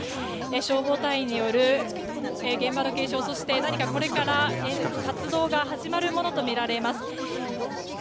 消防隊員による現場の検証そして、何かこれから活動が始まるものとみられます。